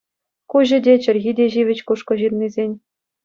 Куҫӗ те, чӗлхи те ҫивӗч Кушкӑ ҫыннисен.